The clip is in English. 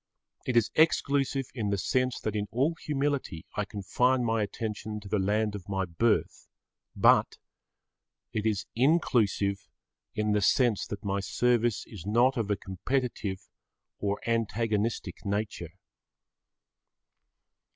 It is exclusive in the sense that in all humility I confine my attention to the land of my birth, but it is inclusive in the sense that my service is not of a competitive or antagonistic nature.